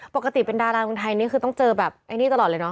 ปกติเป็นดาราวิวัณิทไทยเนี้ยคือต้องเจอแบบอันนี้ตลอดเลยเนอะ